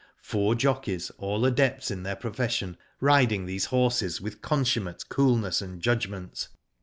Four jockeys, all adepts in their profession, riding these horses with consummate coolness and judgment.